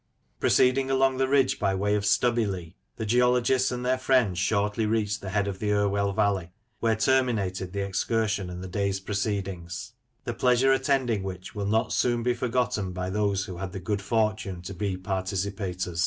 Proceeding along the ridge by way of Stubbylee, the geologists and their friends shortly reached the head of the Irwell Valley, where terminated the excursion and the day's proceedings, the pleasure attending which will not soon be forgotten by those who had the good fortune to be participators.